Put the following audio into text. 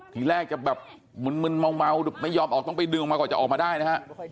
ทีแรกจะแบบมึนเมาไม่ยอมออกต้องไปดึงออกมาก่อนจะออกมาได้นะฮะ